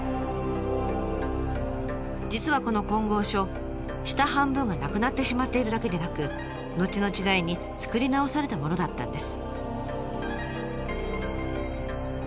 実はこの金剛杵下半分がなくなってしまっているだけでなく後の時代に作り直されたものだったんです。